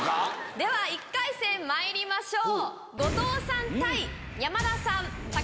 では１回戦まいりましょう。